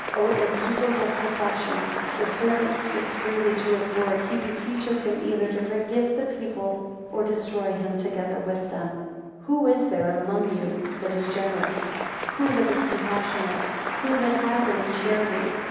O insuperable perfection! The servant speaks freely to his Lord: He beseeches him either to forgive the people, or to destroy him together with them. 14 Who is there among you that is generous? Who that is compassionate? Who that has any charity?